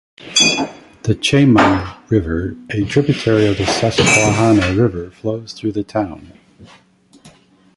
The Chemung River, a tributary of the Susquehanna River, flows through the town.